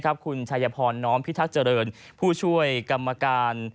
คุณชัยพรน้อมพิทักษ์เจริญผู้ช่วยกรรมการ